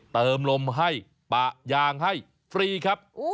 เติมลมให้ปะยางให้ฟรีครับ